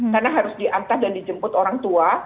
karena harus diantar dan dijemput orang tua